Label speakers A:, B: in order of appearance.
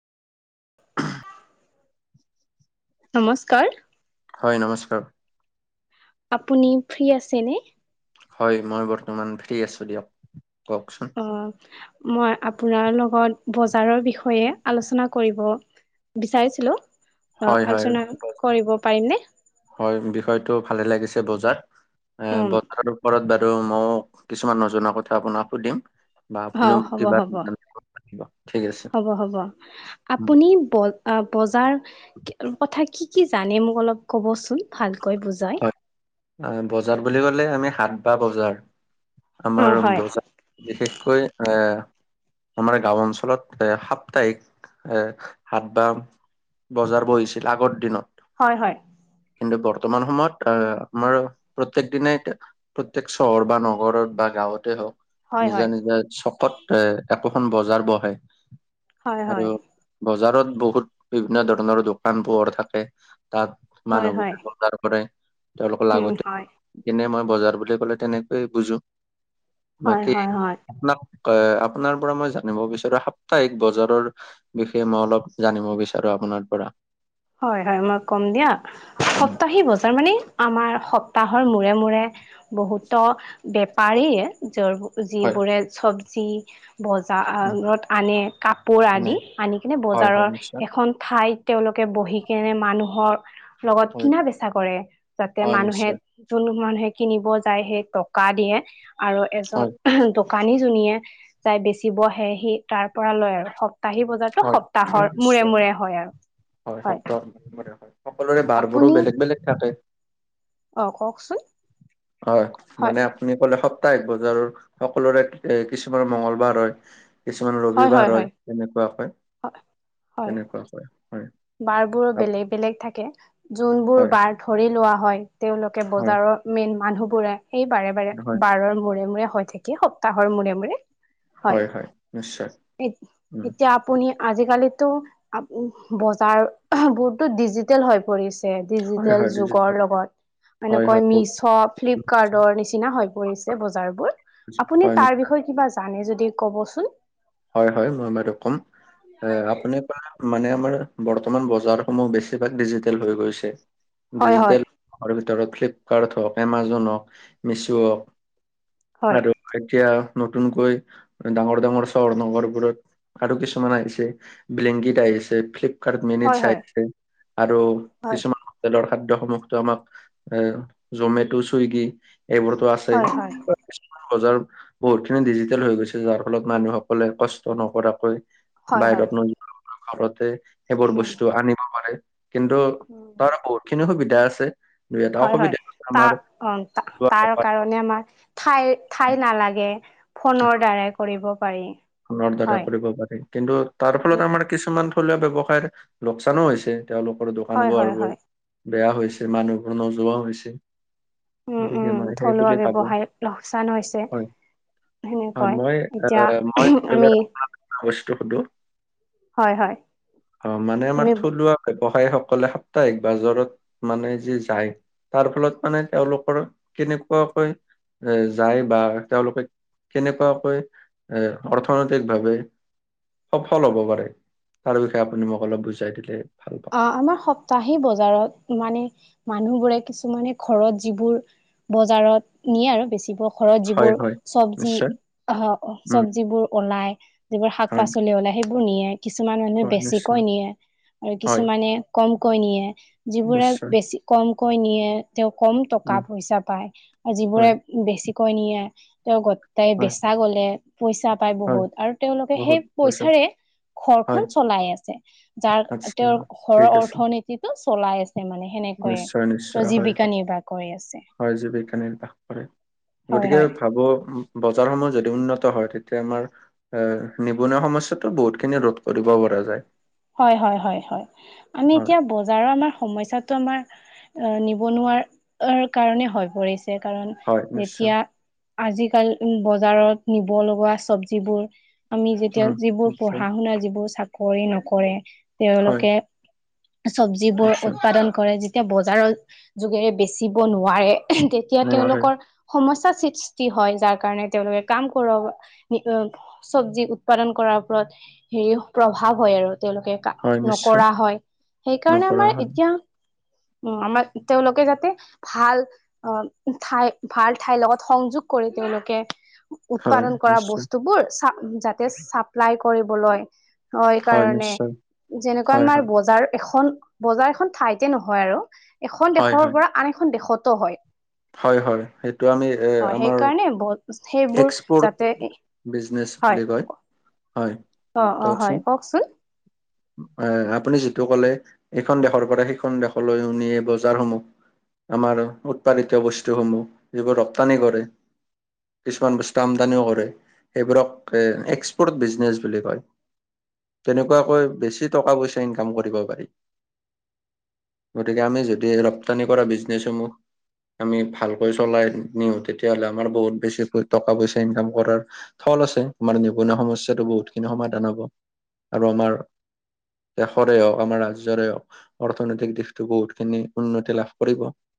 A: নমস্কাৰ!
B: হয়, নমস্কাৰ।
A: আপুনি ফ্ৰী আছেনে?
B: হয়, মই বৰ্তমান ফ্ৰী আছোঁ দিয়ক। কওঁকচোন?
A: অ'! মই আপোনাৰ লগত, বজাৰৰ বিষয়ে আলোচনা কৰিব বিচাৰিছিলোঁ। অ'!
B: হয় হয়
A: আলোচনা
B: বজাৰ-
A: কৰিব পাৰিমনে?
B: হয়, বিষয়টো ভালে লাগিছে বজাৰ। এ,
A: উম
B: বজাৰো ঘৰত বাৰু মইও, কিছুমান নজনা কথা আপোনাক সুধিম। বা আপুনিও
A: অ'!
B: মোক
A: হ'ব -
B: কিবা
A: হ'ব,
B: জানিব পাৰিব ঠিক আছে।
A: হ'ব - হ'ব।
B: উম,
A: আপুনি ব, বজাৰ কথা কি কি জানে, মোক অলপ ক'বচোন! ভালকৈ বুজাই?
B: অ'! বজাৰ বুলি ক'লে, আমি হাত বা বজাৰ।
A: অ
B: আমাৰ
A: হয়
B: বজাৰ বিশেষকৈ, এ আমাৰ গাঁও অঞ্চলত, এ, সাপ্তাহিক, এ, হাত বা বজাৰ বহিছিল আগৰ দিনত।
A: হয়, হয়।
B: কিন্তু, বৰ্তমান সময়ত, আঁ আমাৰ, প্ৰত্যেক দিনে প্ৰত্যেক, চহৰ বা নগৰত বা গাঁৱতে হওঁক
A: হয়
B: নিজা- নিজা ছপত, এ, একোখন বজাৰ বহে।
A: হয় হয়
B: আৰু
A: হয়
B: বজাৰত বহুত, বিভিন্ন ধৰণৰ দোকান, পোহৰ থাকে, তাত।
A: হয়, হয়।
B: মানুহবোৰে [unintelligible] তেওঁলোকৰ
A: উম
B: লাগতি
A: হয়
B: কেনে মই বজাৰ বুলি ক'লে তেনেকৈয়ে বুজো।
A: হয়
B: বাকী
A: হয় হয়
B: আপোনাক আপোনাৰ পৰা মই জানিব বিচাৰো সাপ্তাহিক বজাৰৰ বিষয়ে মই অলপ জানিব বিচাৰো আপোনাৰ পৰা।
A: হয় হয় মই কম দিয়া
B: উম,
A: সপ্তাহি বজাৰ মানে আমাৰ সপ্তাহৰ মূৰে - মূৰে বহুতো, বেপাৰীয়ে [unintelligible]
B: হয়
A: যিবোৰে চবজি।
B: উম
A: বজাৰত আনে। কাপোৰ
B: মানে
A: আদি, আনি কিনে,
B: হয় হয়
A: বজাৰৰ
B: নিশ্চয়
A: এখন ঠাইত তেওঁলোক বহি কেনে মানুহৰ লগত
B: হয়
A: কিনা-বেচা কৰে। যাতে,
B: হয়
A: মানুহে
B: নিশ্চয়
A: যোন মানুহে কিনিব যায় সেই টকা দিয়ে আৰু
B: হয়
A: এজন দোকানী, নীয়ে যাই বেচিবহে সি তাৰ পৰা লয় আৰু সপ্তাহি ব বজাৰতো
B: হয়
A: সপ্তাহৰ মূৰে
B: নিশ্চয়
A: মূৰে হয় আৰু
B: হয় সপ্তাহ হয় সকলোৰে বাৰবোৰো
A: আপুনি
B: বেলেগ বেলেগ থাকে।
A: অ কওকচোন।
B: হয়
A: হয়
B: মানে। আপুনি কলে সপ্তাহ এক বজাৰ সকলোৰে এ কিছুমানৰ মংগলবাৰ হয়। কিছুমান ৰবি
A: হয়
B: বা
A: হয়
B: ৰয়
A: হয়
B: তেনেকুৱা হয় তেনেকুৱা হয় হয়।
A: বাৰ বোৰো
B: আপ-
A: বেলেগ বেলেগ থাকে যোনবোৰ
B: হয়
A: বাৰ ধৰি লোৱা হয় তেওঁওলোকে
B: হয়
A: বজাৰৰ, মেইন মানুহবোৰে সেই বাৰে বাৰে
B: হয়
A: বাৰৰ মূৰে মূৰে হৈ থাকি সপ্তাহৰ মূৰে মূৰে। হয়
B: উম
A: এতিয়া আপুনি আজিকালিতো বজাৰ বহুতো ডিজিটেল হৈ পৰিছে।
B: হয়
A: ডিজিটেল
B: হয় ডিজিটেল
A: যুগৰ লগত
B: হয়
A: এনেকৈ
B: হয় বহুত
A: মিছ, ফ্লিপ কাৰ্ডৰ নিচিনা হৈ পৰিছে বজাৰবোৰ আপুনি
B: হয়
A: তাৰ
B: নিশ্চয়
A: বিষয়ে কিবা জানে যদি ক'বচোন।
B: হয় হয় মই বাৰু ক'ম এ আপোনাৰ পৰা মানে আমাৰ বৰ্তমান বজাৰসমূহ বেছিভাগ ডিজিটেল হৈ গৈছে
A: হয় হয়
B: ডিজিটেল, ঘৰ ভিতৰত ফ্লিপকাৰ্ট হওক এমাজন হওক মিছো হওক
A: হয়
B: আৰু এতিয়া নতুনকৈ ডাঙৰ ডাঙৰ, চহৰ নগৰবোৰত আৰু কিছুমান আহিছে ব্লেংকিত আহিছে ফ্লিপ তাৰ মিনিট
A: হয় হয়।
B: চাইছে আৰু
A: হয়
B: কিছুমান, তেলৰ খাদ্য সমূহো আমাক এ জমেট চুইগি এইবোৰতো আছে
A: হয় হয়
B: [unintelligible] বজ বহুত খিনি ডিজিটেল হৈ গৈছে যাৰ ফলত মানুহ কলে কষ্ট নকৰাকৈ
A: হয় হয়
B: বাহিৰত নোযোৱা ঘৰতে সেইবোৰ
A: উম
B: বস্তু আনিব পাৰে কিন্তু
A: উম
B: তাৰ বহুত খিনি সুবিধা আছে। দুই এটা
A: হয় হয়
B: অসুবিধা আছে, আমাৰ
A: তাৰ অ তাৰ কাৰণে আমাৰ ঠাই ঠাই নালাগে ফোনৰ দ্বাৰাই কৰিব পাৰি।
B: ফোনৰ দ্বাৰা
A: হয়
B: কৰিব পাৰি কিন্তু তাৰ
A: উ
B: ফলত আমাৰ কিছুমান থলুৱা বব্যৱসায়ৰ লোকচানো হৈছে। তেওঁলোকৰ দোকান
A: হয়
B: বোৰ
A: হয় হয়
B: বেয়া হৈছে মানুহবোৰ নোযোৱাও হৈছে।
A: উম উম
B: গতিকে মই
A: থলুৱা
B: সেইবুলি ভাবো
A: ব্যৱসায় লোকচান হৈছে
B: হয়। অ
A: সেনেকৈ
B: মই
A: এতিয়া
B: আহ মই বেলেগে
A: আমি
B: এটা বস্তু সুধো
A: হয় হয়।
B: অ মানে আমাৰ
A: আমি
B: থলুৱা ব্যৱসায়ী সকলে সাপ্তাহিক বাজৰত মানে যি যায়। তাৰ ফলত মানে তেওঁলোকৰ কেনেকুৱাকৈ এ যায় বা তেওঁলোকে, কেনেকুৱাকৈ এ অৰ্থনৈতিক ভাৱে, সফল হ'ব পাৰে তাৰ বিষয়ে আপুনি মোক অলপ বুজাই দিলে ভাল। পাম।
A: অ আমাৰ সপ্তাহেই বজাৰত মানে মানুহ বোৰে কিছুমানে ঘৰত যিবোৰ। বজাৰত নিয়ে আৰু বেচিব, ঘৰত
B: হয়,
A: যিবোৰ
B: হয়,
A: চবজি
B: নিশ্চয়।
A: আহ
B: উম,
A: চবজিবোৰ ওলাই। যিবোৰ শাক
B: হয়,
A: পাচলি ওলাই সেইবোৰ নিয়ে কিছুমান মানুহে
B: হয়, নিশ্চয়।
A: বেছিকৈ নিয়ে। আৰু
B: হয়,
A: কিছুমানে কমকৈ নিয়ে যিবোৰে
B: নিশ্চয়।
A: বেছি কমকৈ নিয়ে। তেওঁ কম টকা
B: উম,
A: পইচা পায় আৰু যিবোৰে
B: হয়,
A: বেছিকৈ নিয়ে। তেওঁ গোটাই
B: হয়,
A: বেচা গলে পইচা, পায়
B: হয়,
A: বহুত আৰু তেওঁলোকে সেই
B: বহুত পইচা
A: পইচাৰে
B: হয়,
A: ঘৰখন চলাই আছে। যাৰ
B: আচ্ছা
A: তেওঁৰ ঘৰৰ
B: ঠিক আছে।
A: অৰ্থনীতিটো চলাই আছে মানে। সেনেকৈয়ে
B: নিশ্চয়, নিশ্চয়।
A: তেওঁ
B: হয়,
A: জীৱিকা
B: হয়,
A: নিৰ্বাহ কৰি আছে।
B: হয়, জীৱিকা নিৰ্বাহ কৰে।
A: হয়
B: গতিকে
A: হয়।
B: ভাবো বজাৰ সমূহ যদি উন্নত হয় তেতিয়া আমাৰ, এ নিবনুৱা সমস্যাতটো বহুত খিনি ৰোধ কৰিব পৰা যায়।
A: হয় হয় হয় হয় আমি
B: হয়,
A: এতিয়া বজাৰৰ আমাৰ সমস্যাত, তোমাৰ অ, নিবনুৱা কাৰণে হৈ পৰিছে। কাৰণ
B: হয় নিশ্চয়।
A: যেতিয়া আজিকালি বজাৰত নিব লগা চবজিবোৰ, আমি যেতিয়া
B: উম,
A: যিবোৰ
B: নিশ্চয়।
A: পঢ়া শুনা যিবোৰ চাকৰি নকৰে
B: হয়,
A: তেওঁলোকে, চবজি বোৰ
B: নিশ্চয়।
A: উৎপাদন কৰে যেতিয়া বজাৰৰ যোগেৰে বেচিব নোৱাৰে, তেতিয়া
B: নোৱাৰে।
A: তেওঁলোকৰ, সমস্যাৰ সৃষ্টি হয়। যাৰ কাৰণে তেওঁলোকে কাম কৰাব চবজি উৎপাদন কৰাৰ ওপৰত হেৰি প্ৰভাৱ হয় আৰু। তেওঁলোকে
B: হয়, নিশ্চয়।
A: নকৰা হয়। সেইকাৰণে
B: নকৰা
A: আমাৰ
B: হয়।
A: এতিয়া, উম, আমাৰ তেওঁলোকে যাতে ভাল অ, ঠাই ভাল ঠাইৰ লগত সংযোগ কৰে তেওঁলোকে
B: হয়,
A: উৎপাদন কৰা
B: নিশ্চয়।
A: বস্তুবোৰ চ যাতে চাপ্লাই কৰিবলৈ, হয়, এই কাৰণে যেনেকুৱা
B: হয়,
A: আমাৰ
B: হয়।
A: বজাৰ এখন বজাৰ এখন ঠাইতে নহয় আৰু এখন
B: হয়,
A: দেশৰ পৰা আন এখন দেশতো হয়।
B: হয়-হয় সেইটো আমি এ
A: অ',
B: আমাৰ
A: [unintelligible] যাতে
B: এক্সপৰ্ট বিজনেছ
A: হয়
B: বুলি কয় হয়।
A: অ', অ', হয়, কওকচোন?
B: এ আপুনি যিটো ক'লে এইখন দেশৰ পৰা সেইখন দেশলৈ উনিয় বজাৰসমূহ। আমাৰ উৎপাদিত বস্তুসমূহ যিবোৰ ৰপ্তানি কৰে। কিছুমান বস্তু আমদানিও কৰে সেইবোৰক এ এক্সপৰ্ট বিজনেচ বুলি কয়। তেনেকুৱাকৈ বেছি টকা পইচা ইনকাম কৰিব পাৰি। গতিকে আমি যেতিয়া ৰপ্তানি কৰা বিজনেচসমূহ আমি ভালকৈ চলাই নিওঁ তেতিয়াহলে আমাৰ বহুত বেছি, টকা পইচা ইনকাম কৰাৰ থল আছে আমাৰ নিবনুৱা সমস্যাটো বহুত খিনি সমাধান হ'ব। আৰু আমাৰ দেশৰে হওক আমাৰ ৰাজ্যৰে হওক অৰ্থনৈতিক দিশতটো বহুতখিনি উন্নতি লাভ কৰিব।